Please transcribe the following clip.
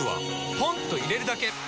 ポンと入れるだけ！